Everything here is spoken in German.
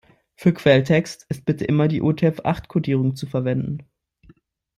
Für Quelltext ist bitte immer die UTF-acht-Kodierung zu verwenden.